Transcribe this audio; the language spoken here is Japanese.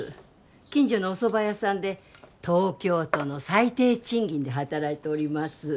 近所のお蕎麦屋さんで東京都の最低賃金で働いております